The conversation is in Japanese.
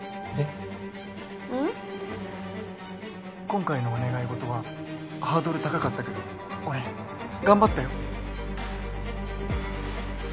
今回のお願い事はハードル高かったけど俺頑張ったよ。